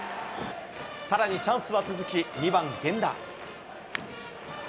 さらにチャンスは続き、２番源田。